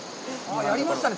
やりましたね。